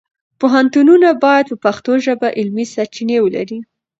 پوهنتونونه باید په پښتو ژبه علمي سرچینې ولري.